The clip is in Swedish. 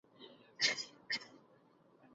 Du är ett nöt, som gläder dig åt något sådant.